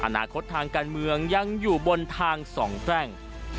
อนาคตทางการเมืองยังอยู่บนทางสองแพร่ง